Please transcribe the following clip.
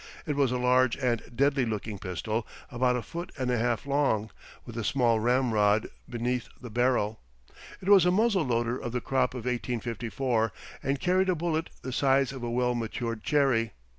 It was a large and deadly looking pistol, about a foot and a half long, with a small ramrod beneath the barrel. It was a muzzle loader of the crop of 1854, and carried a bullet the size of a well matured cherry.